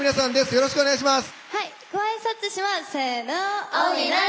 よろしくお願いします。